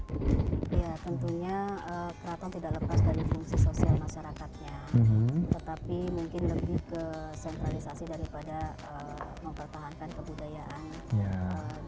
ya tentunya keraton tidak lepas dari fungsi sosial masyarakatnya tetapi mungkin lebih ke sentralisasi daripada mempertahankan kebudayaan